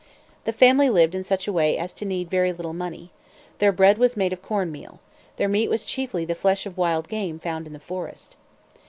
The family lived in such a way as to need very little money. Their bread was made of corn meal. Their meat was chiefly the flesh of wild game found in the forest.